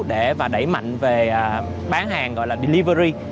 để và đẩy mạnh về bán hàng gọi là delivery